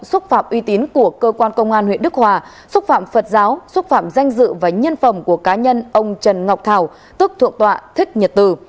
xúc phạm uy tín của cơ quan công an huyện đức hòa xúc phạm phật giáo xúc phạm danh dự và nhân phẩm của cá nhân ông trần ngọc thảo tức thượng tọa thích nhật từ